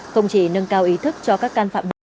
không chỉ nâng cao ý thức cho các can phạm tội